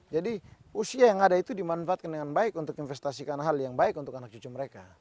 jadi usia yang ada itu dimanfaatkan dengan baik untuk investasikan hal yang baik untuk anak cucu mereka